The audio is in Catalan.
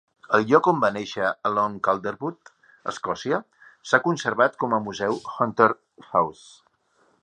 El lloc on va néixer, a Long Calderwood, Escòcia, s'ha conservat com a Museu Hunter House.